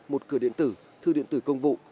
một cửa điện tử thư điện tử công vụ